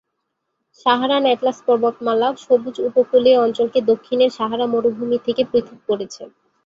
Saharan Atlas পর্বতমালা সবুজ উপকূলীয় অঞ্চলকে দক্ষিণের সাহারা মরুভূমি থেকে পৃথক করেছে।